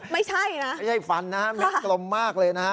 ไม่ใช่นะไม่ใช่ฟันนะฮะเม็ดกลมมากเลยนะฮะ